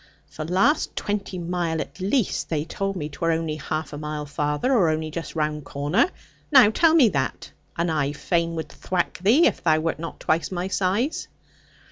For last twenty mile at least they told me 'twere only half a mile farther, or only just round corner. Now tell me that, and I fain would thwack thee if thou wert not thrice my size.'